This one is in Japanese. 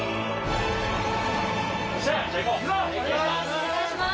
お願いします。